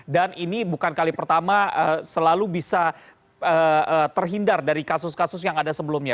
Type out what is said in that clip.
dan ini bukan kali pertama selalu bisa terhindar dari kasus kasus yang ada sebelumnya